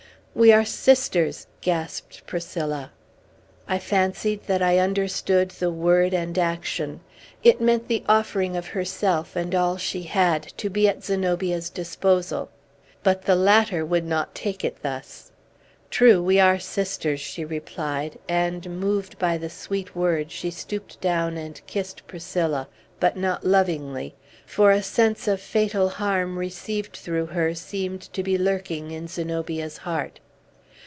"We are sisters!" gasped Priscilla. I fancied that I understood the word and action. It meant the offering of herself, and all she had, to be at Zenobia's disposal. But the latter would not take it thus. "True, we are sisters!" she replied; and, moved by the sweet word, she stooped down and kissed Priscilla; but not lovingly, for a sense of fatal harm received through her seemed to be lurking in Zenobia's heart.